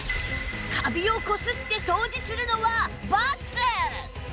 カビをこすって掃除するのはバツ！